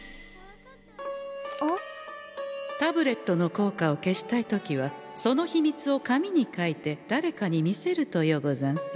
タブレットの効果を消したい時はその秘密を紙に書いて誰かに見せるとようござんす。